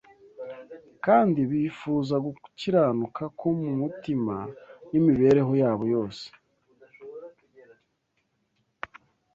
kandi bifuza gukiranuka ko mu mutima n’imibereho yabo yose,